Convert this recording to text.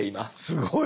すごい！